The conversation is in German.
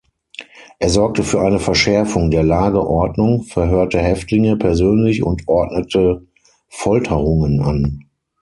Er sorgte für eine Verschärfung der Lagerordnung, verhörte Häftlinge persönlich und ordnete Folterungen an.